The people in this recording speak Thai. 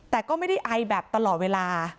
แต่ก็ไม่ได้ไอแบบตลอดเวลา